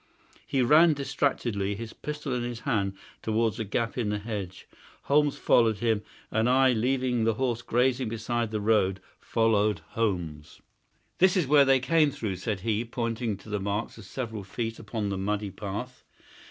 He ran distractedly, his pistol in his hand, towards a gap in the hedge. Holmes followed him, and I, leaving the horse grazing beside the road, followed Holmes. "This is where they came through," said he, pointing to the marks of several feet upon the muddy path.